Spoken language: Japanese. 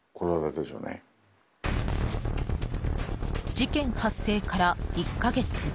事件発生から１か月。